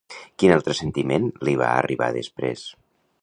Quin altre sentiment li va arribar després?